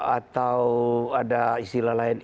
atau ada istilah lain